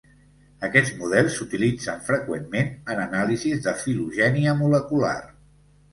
Aquests models s'utilitzen freqüentment en anàlisis de filogènia molecular.